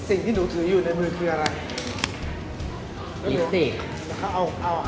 สิ่งที่หนูถืออยู่ในมือคืออะไรแล้วเขาเอาไอไลท์มาจากนั้น